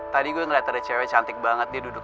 tadi gue ngeliat ada icw cantik banget dia duduk